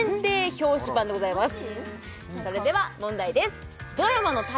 表紙版でございます